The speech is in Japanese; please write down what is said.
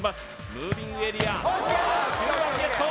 ムービングエリア９番ゲット